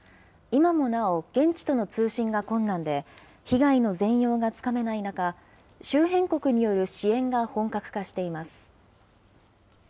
今もなお、現地との通信が困難で、被害の全容がつかめない中、周辺国による支援が本格化しています。